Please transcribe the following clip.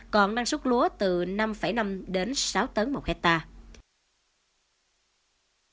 còn năng suất lúa từ năm năm đến sáu tấn một hectare